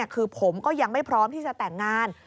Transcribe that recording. คือผมก็ยังไม่พร้อมที่จะแต่งงาน